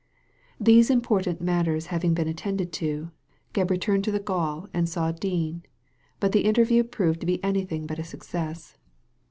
These important matters having been attended to, Gebb returned to the gaol and saw Dean ; but the interview proved to be anything but a success.